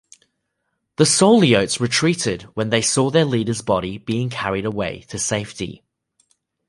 The Souliotes retreated when they saw their leader's body being carried away to safety.